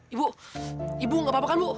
ibu ibu nggak apa apa kan bu